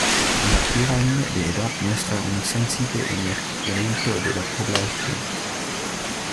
La pirámide de edad muestra un sensible envejecimiento de la población.